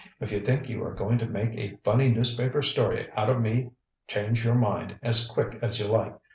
If you think you are going to make a funny newspaper story out of me change your mind as quick as you like.